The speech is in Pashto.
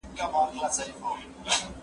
ملګري هم سر نه خلاصوي..